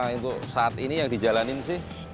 untuk saat ini yang dijalanin sih